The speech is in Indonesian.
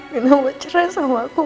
nino mau cerai sama aku